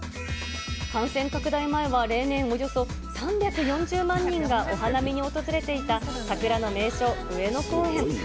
感染拡大前は、例年およそ３４０万人がお花見に訪れていた桜の名所、上野公園。